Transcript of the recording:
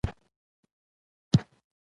تر یو واده زیات قانوني جرم دی